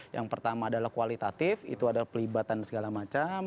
yang pertama adalah kualitatif itu adalah pelibatan segala macam